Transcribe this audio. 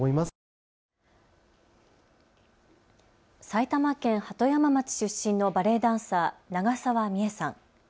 埼玉県鳩山町出身のバレエダンサー、長澤美絵さん。